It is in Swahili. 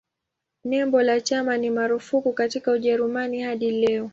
Nembo la chama ni marufuku katika Ujerumani hadi leo.